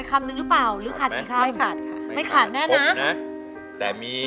สำหรับเพลงที่๓มูลค่า๔๐๐๐๐บาท